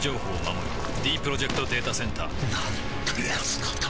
ディープロジェクト・データセンターなんてやつなんだ